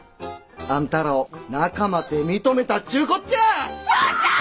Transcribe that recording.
あんたらを仲間て認めたっちゅうこっちゃ！